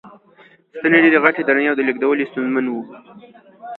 ستنې ډېرې غټې، درنې او لېږدول یې ستونزمن و.